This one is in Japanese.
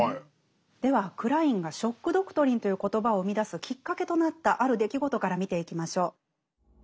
ではクラインが「ショック・ドクトリン」という言葉を生み出すきっかけとなったある出来事から見ていきましょう。